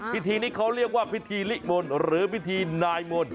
พิธีนี้เขาเรียกว่าพิธีลิมนต์หรือพิธีนายมนต์